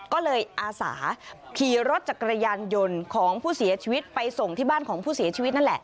ก็เลยอาสาขี่รถจักรยานยนต์ของผู้เสียชีวิตไปส่งที่บ้านของผู้เสียชีวิตนั่นแหละ